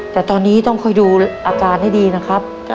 แต่ตอนนี้ต้องคอยดูอาการให้ดีนะครับ